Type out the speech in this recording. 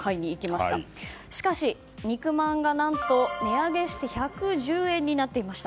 しかし、肉まんが何と値上げして１１０円になっていました。